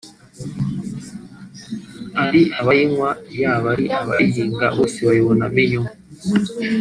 ari abayinywa yaba ari abayihinga bose babibonamo inyungu